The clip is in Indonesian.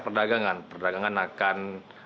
perdagangan perdagangan akan